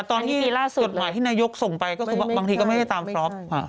ตอนที่กฎหมายที่นายกส่งไปก็คือบางทีก็ไม่ได้ตามฟรอป